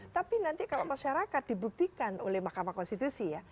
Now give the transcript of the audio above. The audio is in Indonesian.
tapi nanti kalau masyarakat dibuktikan oleh mahkamah konstitusi ya